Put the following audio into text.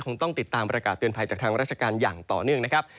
คงต้องติดตามประกาศเตือนภัยจากทางราชการอย่างต่อเนื่องนะครับ